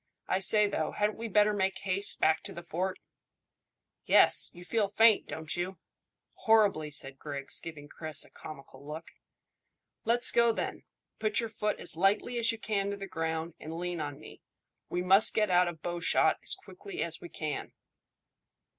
I say, though, hadn't we better make haste back to the fort?" "Yes; you feel faint, don't you?" "Horribly," said Griggs, giving Chris a comical look. "Let's go, then. Put your foot as lightly as you can to the ground, and lean on me. We must get out of bowshot as quickly as we can."